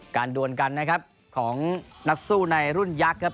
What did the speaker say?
การด่วนกันของนักสู้ในรุ่นยักษ์